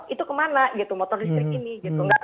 itu kemana gitu motor listrik ini gitu